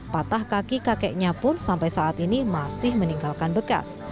patah kaki kakeknya pun sampai saat ini masih meninggalkan bekas